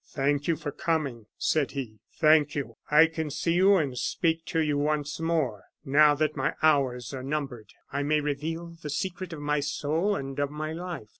"Thank you for coming," said he, "thank you. I can see you and speak to you once more. Now that my hours are numbered, I may reveal the secret of my soul and of my life.